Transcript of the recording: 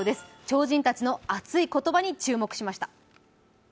超人たちの熱い言葉に注目しました。